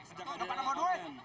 sejak adanya konten